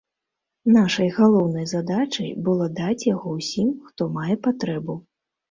Нашай галоўнай задачай было даць яго ўсім, хто мае патрэбу.